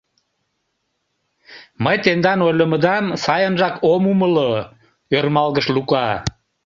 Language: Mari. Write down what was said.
— Мый тендан ойлымыдам сайынжак ом умыло, — ӧрмалгыш Лука.